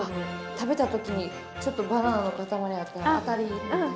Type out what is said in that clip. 食べた時にちょっとバナナの塊あったら当たりな感じ。